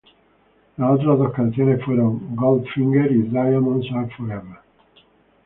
Las otras dos canciones fueron Goldfinger y Diamonds Are Forever.